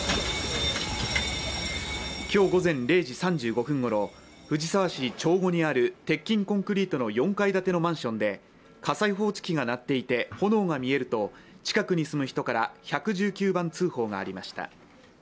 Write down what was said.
今日午前０時３５分ごろ藤沢市長後にある鉄筋コンクリートの４階建てのマンションで火災報知機が鳴っていて炎が見えると近くに住む人から１１９番通報がありました。